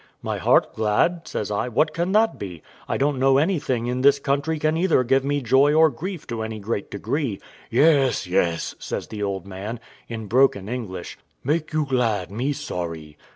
"My heart glad," says I; "what can that be? I don't know anything in this country can either give me joy or grief to any great degree." "Yes, yes," said the old man, in broken English, "make you glad, me sorry."